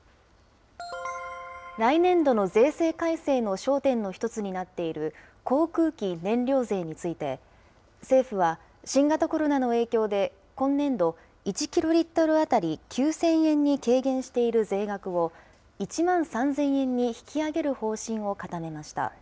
来年度の税制改正の焦点の一つになっている、航空機燃料税について、政府は、新型コロナの影響で、今年度、１キロリットル当たり９０００円に軽減している税額を１万３０００円に引き上げる方針を固めました。